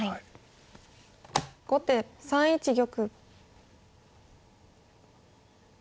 後手３一玉。